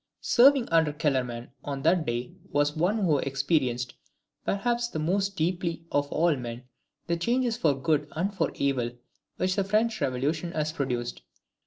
Serving under Kellerman on that day was one who experienced, perhaps the most deeply of all men, the changes for good and for evil which the French Revolution has produced.